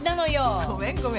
ごめんごめん。